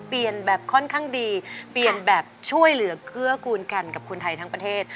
เปลี่ยนแบบค่อนข้างดีเปลี่ยนแบบช่วยเหลือเกื้อกูลกันกับคนไทยทั้งประเทศ